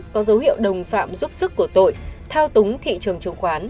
có dấu hiệu đồng phạm giúp sức của tội thao túng thị trường chứng khoán